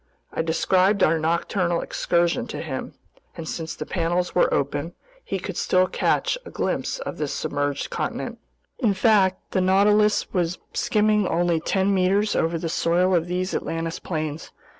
I described our nocturnal excursion to him, and since the panels were open, he could still catch a glimpse of this submerged continent. In fact, the Nautilus was skimming only ten meters over the soil of these Atlantis plains.